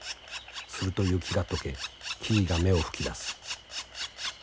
すると雪が解け木々が芽を吹き出す。